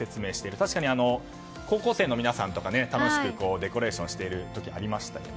確かに高校生の皆さんとか楽しくデコレーションしている人とかいましたよね。